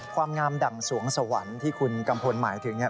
ความงามดั่งสวงสวรรค์ที่คุณกัมพลหมายถึงเนี่ย